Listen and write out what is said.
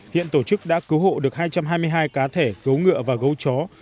hiện tổ chức đã cứu hộ được hai trăm hai mươi hai cá thể gấu ngựa và gấu chó